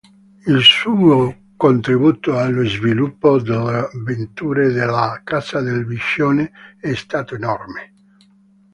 Il suo contributo allo sviluppo delle vetture della casa del Biscione è stato enorme.